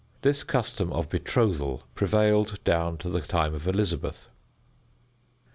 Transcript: This custom of betrothal prevailed down to the time of Elizabeth.